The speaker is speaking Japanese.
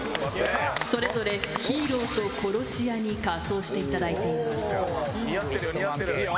それぞれヒーローと殺し屋に仮装していただいています。